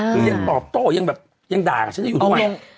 คือยังตอบโต้ยังแบบยังด่ากับฉันจะอยู่ด้วยไหม